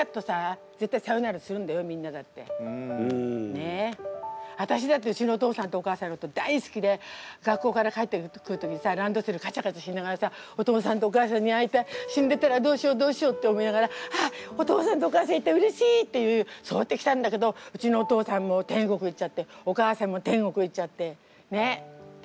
ねえ私だってうちのお父さんとお母さんのこと大好きで学校から帰ってくる時にさランドセルカチャカチャしながらさお父さんとお母さんに会いたい死んでたらどうしようどうしようって思いながらああお父さんとお母さんいてうれしい！っていうそうやってきたんだけどうちのお父さんも天国行っちゃってお母さんも天国行っちゃってねっ大好きなね